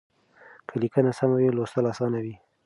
که ليکنه سمه وي لوستل اسانه وي.